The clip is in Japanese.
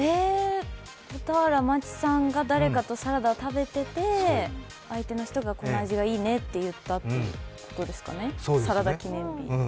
俵万智さんが誰かとサラダを食べてて相手の人がこの味がいいねと言ったということですかね、サラダ記念日。